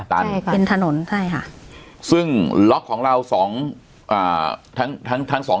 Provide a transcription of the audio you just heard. ตันใช่ค่ะเป็นถนนใช่ค่ะซึ่งล็อกของเราสองอ่าทั้งทั้งทั้งสอง